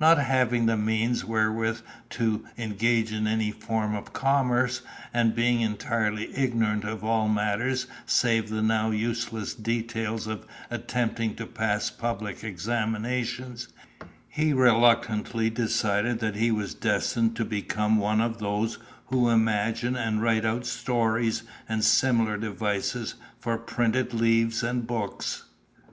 Not having the means wherewith to engage in any form of commerce, and being entirely ignorant of all matters save the now useless details of attempting to pass public examinations, he reluctantly decided that he was destined to become one of those who imagine and write out stories and similar devices for printed leaves and books.